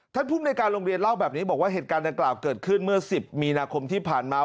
ภูมิในการโรงเรียนเล่าแบบนี้บอกว่าเหตุการณ์ดังกล่าวเกิดขึ้นเมื่อ๑๐มีนาคมที่ผ่านมา